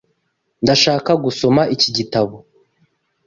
Ndashaka gusoma iki gitabo.